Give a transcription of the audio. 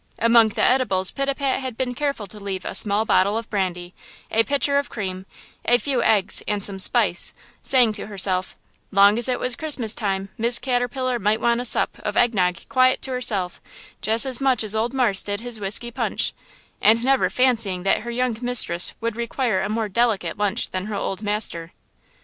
Among the edibles Pitapat had been careful to leave a small bottle of brandy, a pitcher of cream, a few eggs and some spice, saying to herself, "Long as it was Christmas time Miss Caterpillar might want a sup of egg nog quiet to herself, jes' as much as old marse did his whiskey punch"–and never fancying that her young mistress would require a more delicate lunch than her old master.